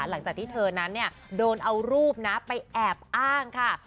หลังจากที่เธอนั้นเนี่ยโดนเอารูปนะไปแอบอ้างค่ะ